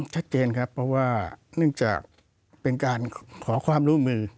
ชัดเจนครับเพราะว่าเนื่องจากเป็นการขอความร่วมมือ